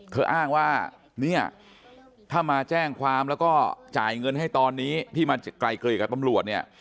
อ้างว่าเนี่ยถ้ามาแจ้งความแล้วก็จ่ายเงินให้ตอนนี้ที่มาไกลเกลียกับตำรวจเนี่ย